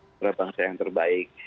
dibuat para bangsa yang terbaik